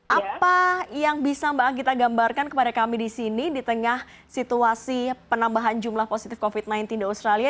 apa yang bisa mbak anggita gambarkan kepada kami di sini di tengah situasi penambahan jumlah positif covid sembilan belas di australia